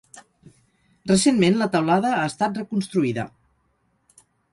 Recentment la teulada ha estat reconstruïda.